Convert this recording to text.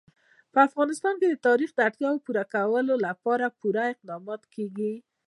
په افغانستان کې د تاریخ د اړتیاوو پوره کولو لپاره پوره اقدامات کېږي.